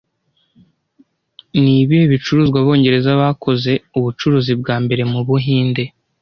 Ni ibihe bicuruzwa Abongereza bakoze ubucuruzi bwa mbere mu Buhinde